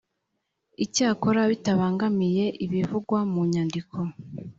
icyakora bitabangamiye ibivugwa mu nyandiko